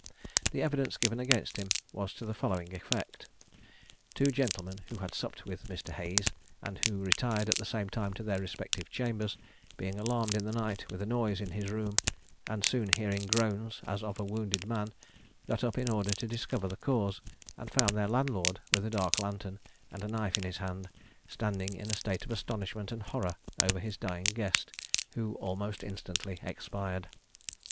The evidence given against him was to the following effect: Two gentlemen who had supped with Mr. Hayes, and who retired at the same time to their respective chambers, being alarmed in the night with a noise in his room, and soon hearing groans as of a wounded man, got up in order to discover the cause, and found their landlord, with a dark lantern and a knife in his hand, standing in a state of astonishment and horror over his dying guest, who almost instantly expired.